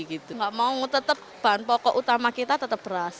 tidak mau tetap bahan pokok utama kita tetap beras